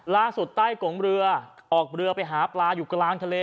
ใต้กงเรือออกเรือไปหาปลาอยู่กลางทะเล